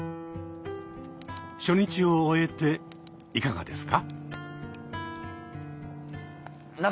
初日を終えていかがですか？